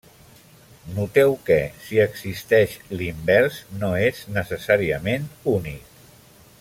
Noteu que, si existeix, l'invers no és necessàriament únic.